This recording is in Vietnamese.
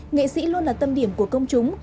nghệ sĩ luôn là tâm điểm của công chúng